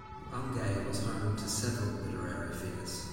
Bungay was home to several literary figures.